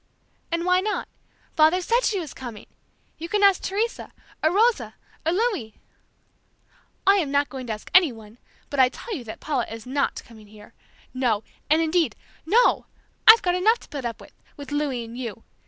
"And why not? Father said she was coming! You can ask Teresa, or Rosa, or Louis!" "I am not going to ask anyone, but I tell you that Paula is not coming here! No! and indeed, NO! I've got enough to put up with, with Louis and you!